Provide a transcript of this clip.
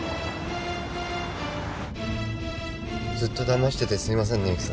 ずっとだましててすいませんね